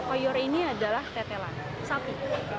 koyor ini adalah tetelan sapi